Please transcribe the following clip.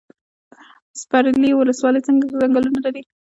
سپیرې ولسوالۍ ځنګلونه لري؟